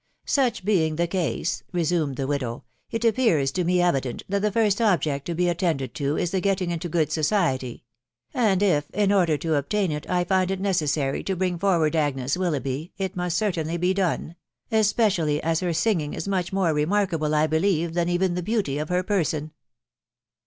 " Such being the case," resumed the mtaro ," Vt vetoes* u 4s 496 *HE WIDOW BABNABY* to me evident, that the first object to be attended to it tk getting into good society ; and if, in order to obtain this, I find it necessary to bring forward Agnes Willoughby, it most certainly be done .... especially as her singing is much mm remarkable, I believe, than even the beauty of her person."